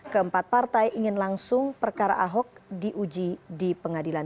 keempat partai ingin langsung perkara ahok diuji di pengadilan